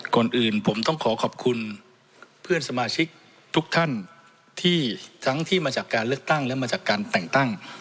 ก่อนอื่นผมต้องขอขอบคุณเพื่อนสมาชิกทุกท่านที่ทั้งที่มาจากการเลือกตั้งและมาจากการแต่งตั้ง